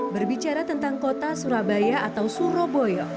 berbicara tentang kota surabaya atau suro boyo